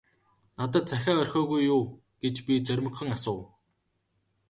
- Надад захиа орхиогүй юу гэж би зоримогхон асуув.